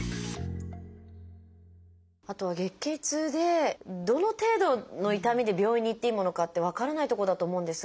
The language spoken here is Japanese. あとは月経痛でどの程度の痛みで病院に行っていいものかって分からないとこだと思うんですが。